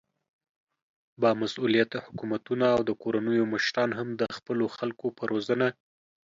با مسؤليته حکومتونه او د کورنيو مشران هم د خپلو خلکو په روزنه